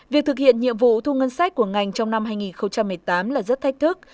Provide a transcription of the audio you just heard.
việc thực hiện nhiệm vụ thu ngân sách của ngành trong năm hai nghìn một mươi tám là rất thách thức